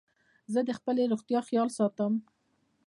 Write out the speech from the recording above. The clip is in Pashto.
زه د خپلي روغتیا خیال ساتم.